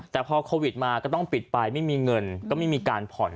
แต่พอโควิดมาก็ต้องปิดไปไม่มีเงินก็ไม่มีการผ่อน